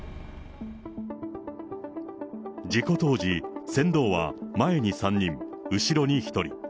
事故当時、船頭は前に３人、後ろに１人。